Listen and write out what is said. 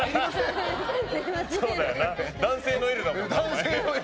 男性のＬだもんな。